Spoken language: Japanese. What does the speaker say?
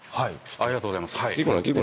ありがとうございます。